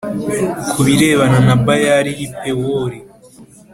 ku birebana na Bayali y’i Pewori,